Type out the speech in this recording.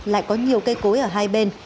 lại có nhiều cây cối ở hai bên